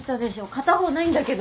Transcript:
片方ないんだけど。